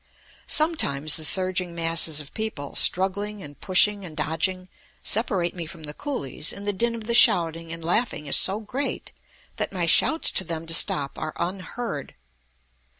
Sometimes the surging masses of people, struggling and pushing and dodging, separate me from the coolies, and the din of the shouting and laughing is so great that my shouts to them to stop are unheard.